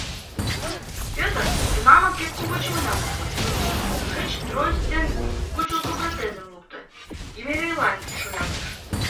Пӧтыр тунамак ик кугу чемоданым почо, тушеч трость ден куштылго протезым лукто, Еремейлан шуялтыш.